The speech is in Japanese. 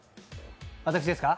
私ですか？